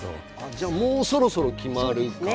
じゃあもうそろそろ決まるか。